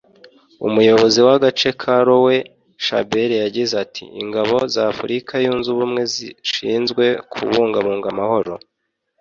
umuyobozi w’agace ka Lower Shabelle yagize ati” Ingabo za Afurika Yunze Ubumwe zishinzwe kubungabunga amahoro